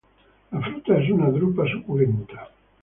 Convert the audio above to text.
La fruta es una drupa suculenta.